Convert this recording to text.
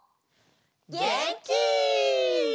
げんき！